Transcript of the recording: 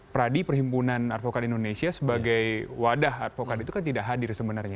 pradi perhimpunan advokat indonesia sebagai wadah advokat itu kan tidak hadir sebenarnya